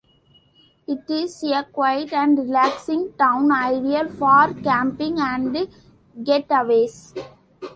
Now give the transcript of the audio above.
It is a quiet and relaxing town ideal for camping and getaways.